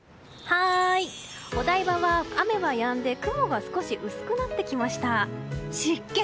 お台場は雨はやんで雲が少し薄くなってきました。